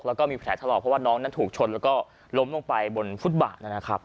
แล้วก็มีแผลถลอกเพราะว่าน้องนั้นถูกชนแล้วก็ล้มลงไปบนฟุตบาทนะครับ